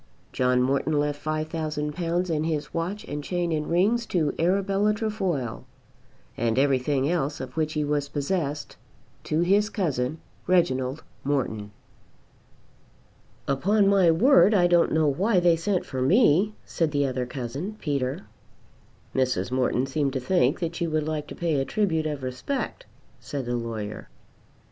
John Morton left £5,000 and his watch and chain and rings to Arabella Trefoil, and everything else of which he was possessed to his cousin Reginald Morton. "Upon my word I don't know why they sent for me," said the other cousin, Peter. "Mrs. Morton seemed to think that you would like to pay a tribute of respect," said the lawyer.